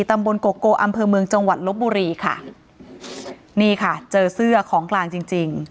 ตำบลโกโกอำเภอเมืองจังหวัดลบบุรีค่ะนี่ค่ะเจอเสื้อของกลางจริงจริง